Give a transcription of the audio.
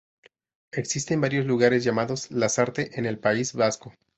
Existen varios lugares llamados "Lasarte" en el País Vasco.